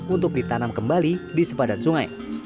untuk ditanam kembali di sepadan sungai